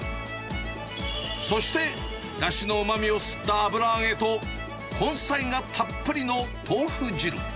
そしてだしのうまみを吸った油揚げと、根菜がたっぷりの豆腐汁。